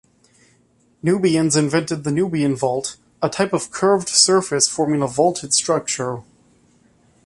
Nubians invented the Nubian vault, a type of curved surface forming a vaulted structure.